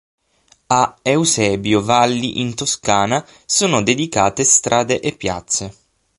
A Eusebio Valli in Toscana sono dedicate strade e piazze.